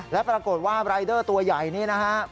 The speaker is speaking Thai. และปรากฏว่ารายเดอร์ตัวใหญ่นี่นะครับ